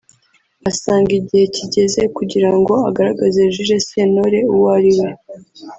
asanga igihe kigeze kugira ngo agaragaze Jules Sentore uwo ariwe